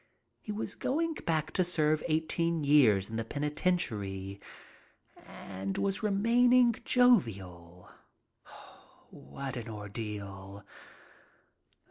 He was going back to serve eighteen years in the peni tentiary and was remaining jovial. What an ordeal!